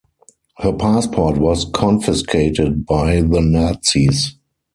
Her passport was confiscated by the Nazis.